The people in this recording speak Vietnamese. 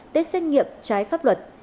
test xét nghiệm trái pháp luật